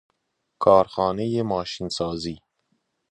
کارخانه ماشین سازی